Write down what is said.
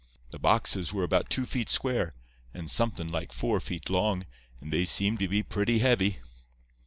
The boxes were about two feet square, and somethin' like four feet long, and they seemed to be pretty heavy.